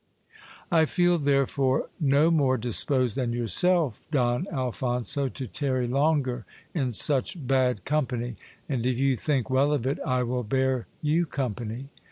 I feel therefore no more disposed than yourself, Don Alphonso, to tarry longer in such bad company ; and if you think well of it, I will bear you company.